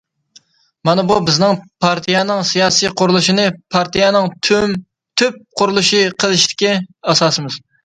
مانا بۇ، بىزنىڭ پارتىيەنىڭ سىياسىي قۇرۇلۇشىنى پارتىيەنىڭ تۈپ قۇرۇلۇشى قىلىشتىكى ئاساسىمىز.